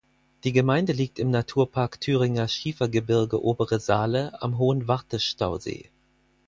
Die Gemeinde liegt im Naturpark Thüringer Schiefergebirge-Obere Saale am Hohenwarte-Stausee.